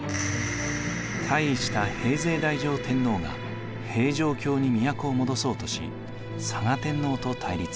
退位した平城太上天皇が平城京に都を戻そうとし嵯峨天皇と対立。